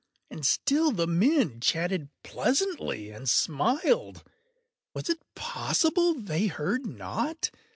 And still the men chatted pleasantly, and smiled. Was it possible they heard not?